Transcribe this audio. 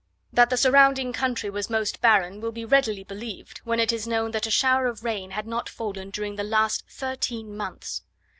That the surrounding country was most barren will be readily believed, when it is known that a shower of rain had not fallen during the last thirteen months.